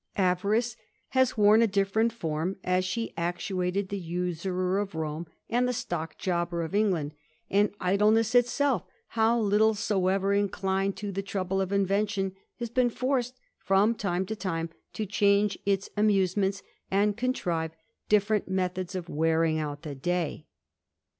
Avarice has worn a different form, as she actuated the usurer of Rome, and the stock jobber of ^^land ; and idleness itself, how little soever inclined to ^e trouble of invention, has been forced from time to time ^° change its amusements, and contrive different methods of ^''^riiig out the day.